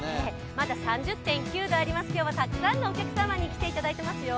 まだ３０．９度ありますけれどもたくさんのお客様に来ていただいてますよ。